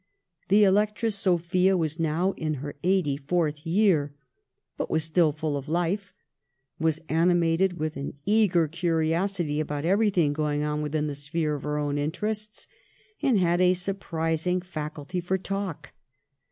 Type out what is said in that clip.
The Electress Sophia was now in her eighty fourth year, but was still full of life, was animated with an eager curiosity about everything going on within the sphere of her own interests, and had a surprising faculty for talk.